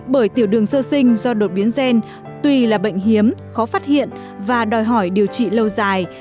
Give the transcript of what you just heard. bởi tiểu đường sơ sinh do đột biến gen tuy là bệnh hiếm khó phát hiện và đòi hỏi điều trị lâu dài